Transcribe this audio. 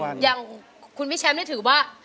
อย่างคุณพี่แชมป์นี่ถือว่า